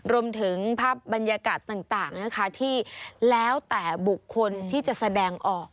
รวมถึงภาพบรรยากาศต่างนะคะที่แล้วแต่บุคคลที่จะแสดงออก